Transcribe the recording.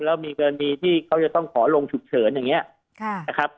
แล้วมีกรณีที่เขาจะต้องขอลงฉุกเฉินอย่างนี้นะครับ